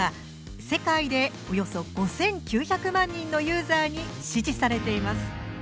世界でおよそ５，９００万人のユーザーに支持されています